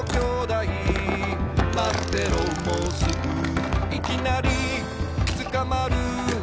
「まってろもうすぐ」「いきなりつかまる」